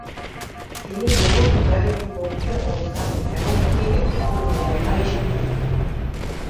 তিনি বহুবিবাহের বিপক্ষে অবস্থান নেন এবং একে একটি পুরোনো প্রথা হিসেবে দেখতেন।